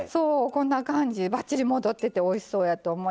こんな感じばっちり戻ってておいしそうやと思います。